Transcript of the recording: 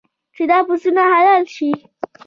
چې دا پسونه حلال شي.